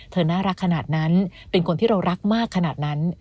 น่ารักขนาดนั้นเป็นคนที่เรารักมากขนาดนั้น